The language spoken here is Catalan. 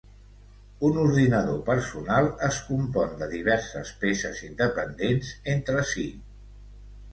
Un ordinador personal es compon de diverses peces independents entre si.